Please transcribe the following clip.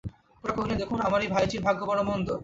খুড়া কহিলেন, দেখুন, আমার এই ভাইঝির ভাগ্য বড়ো মন্দ।